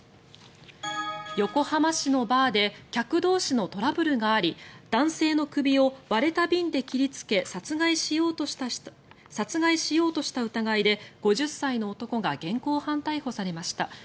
横浜市のバーで客同士のトラブルがあり男性の首を割れた瓶で切りつけ殺害しようとした疑いで５０歳の男が現行犯逮捕されました。